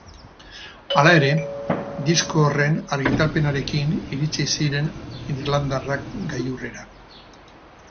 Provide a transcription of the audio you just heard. Hala ere, disko horren argitalpenarekin iritsi ziren irlandarrak gailurrera.